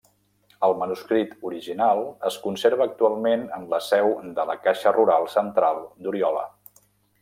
El manuscrit original es conserva actualment en la seu de la Caixa Rural Central d'Oriola.